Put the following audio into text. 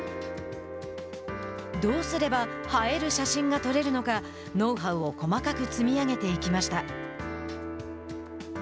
どうすれば映える写真が撮れるのかノウハウを細かく積み上げていきました。